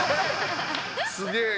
すげえ。